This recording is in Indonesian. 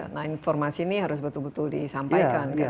nah informasi ini harus betul betul disampaikan